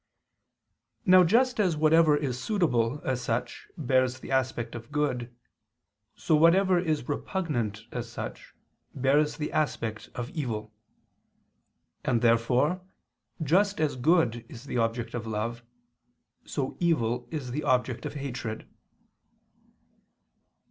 Now, just as whatever is suitable, as such, bears the aspect of good; so whatever is repugnant, as such, bears the aspect of evil. And therefore, just as good is the object of love, so evil is the object of hatred.